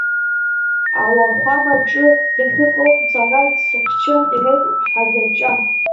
Ауахәамаҿы дахьыҟоу сара дсыхьчоит, — иҳәеит Ҳазаҷа.